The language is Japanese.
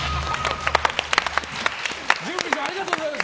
準備ありがとうございます。